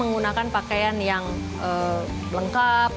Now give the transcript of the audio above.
menggunakan pakaian yang lengkap